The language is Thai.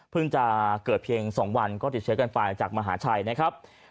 จะเกิดเพียง๒วันก็ติดเชื้อกันไปจากมหาชัยนะครับ